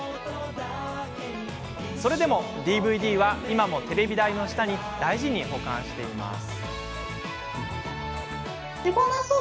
それでもＤＶＤは今もテレビ台の下に大事に保管しています。